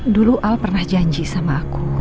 dulu al pernah janji sama aku